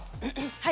はい。